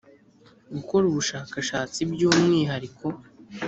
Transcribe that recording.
gukora ubushakashatsi by umwihariko